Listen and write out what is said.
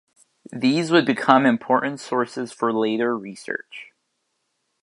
These would become important sources for later research.